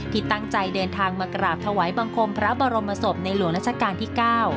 ที่ตั้งใจเดินทางมากราบถวายบังคมพระบรมศพในหลวงราชการที่๙